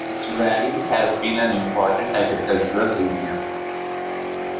Its valley has been an important agricultural region.